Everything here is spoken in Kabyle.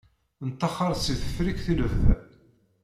Neṭṭaxer si Tefriqt i lebda.